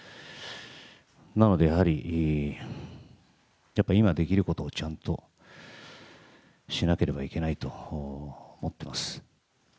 なので、今できることをちゃんとしなければいけないと思っています。